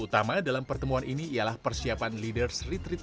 isu utama dalam pertemuan ini ialah persiapan leaders retreat